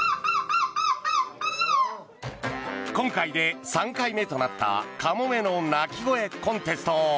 今回で３回目となったカモメの鳴き声コンテスト。